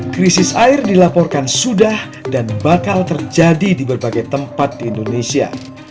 krisis air dilaporkan sudah dan bakal terjadi di berbagai tempat di indonesia